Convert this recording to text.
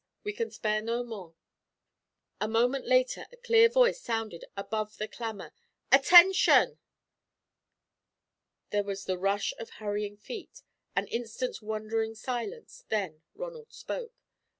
We can spare no more." A moment later a clear voice sounded above the clamour, "Attention!" There was the rush of hurrying feet, an instant's wondering silence, then Ronald spoke.